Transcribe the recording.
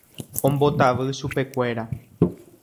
ombotavy chupekuéra